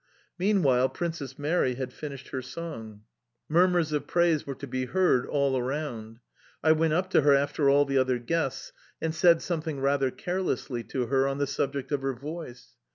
Meanwhile, Princess Mary had finished her song. Murmurs of praise were to be heard all around. I went up to her after all the other guests, and said something rather carelessly to her on the subject of her voice.